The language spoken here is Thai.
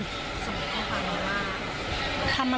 ส่งข้อความมาว่า